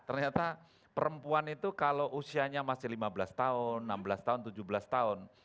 ternyata perempuan itu kalau usianya masih lima belas tahun enam belas tahun tujuh belas tahun